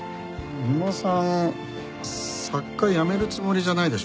三馬さん作家やめるつもりじゃないでしょうね？